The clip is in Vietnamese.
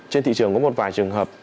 trên thị trường có một vài trường hợp